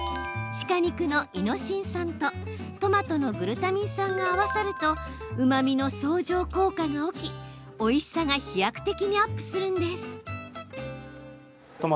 鹿肉のイノシン酸とトマトのグルタミン酸が合わさるとうまみの相乗効果が起きおいしさが飛躍的にアップするんです。